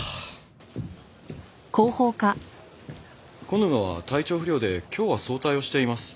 小沼は体調不良で今日は早退をしています。